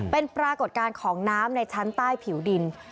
เป็นปรากฏการณ์ของน้ำในชั้นใต้ผิวดิน